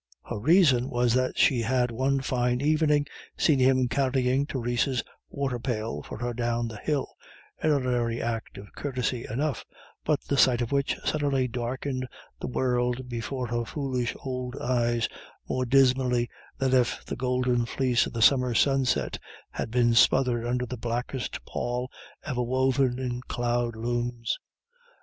Her reason was that she had one fine evening seen him carrying Theresa's water pail for her down the hill, an ordinary act of courtesy enough, but the sight of which suddenly darkened the world before her foolish old eyes more dismally than if the golden fleece of the summer sunset had been smothered under the blackest pall ever woven in cloud looms.